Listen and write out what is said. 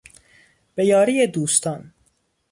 به یاری دوستان